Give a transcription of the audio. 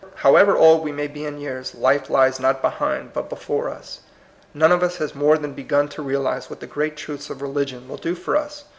However old we may be in years, life lies not behind, but before us. None of us has more than begun to realize what the great truths of religion will do for us.